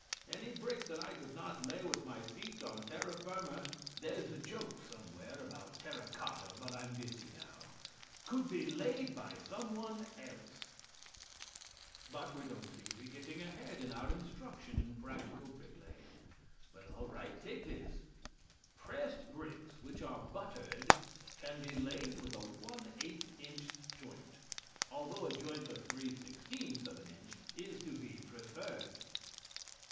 Any bricks that I could not lay with my feet on terra firma (there is a joke somewhere about terra cotta, but I'm busy now) could be laid by some one else. But we don't seem to be getting ahead in our instruction in practical bricklaying. Well, all right, take this: "Pressed bricks, which are buttered, can be laid with a one eighth inch joint, although a joint of three sixteenths of an inch is to be preferred."